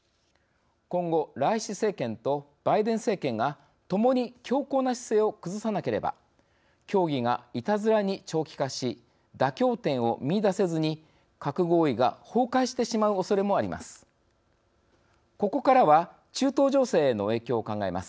今後ライシ政権とバイデン政権がともに強硬な姿勢を崩さなければ協議がいたずらに長期化し妥協点を見いだせずに「核合意」が崩壊してしまうおそれもあります。